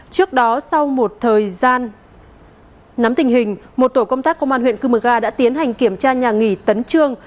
trước đó sau một thời gian nắm tình hình một tổ công tác công an huyện cư mơ ga đã tiến hành kiểm tra nhà nghỉ tấn trương